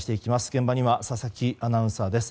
現場には佐々木アナウンサーです。